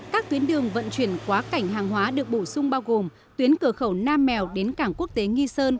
các tuyến đường vận chuyển quá cảnh hàng hóa được bổ sung bao gồm tuyến cửa khẩu nam mèo đến cảng quốc tế nghi sơn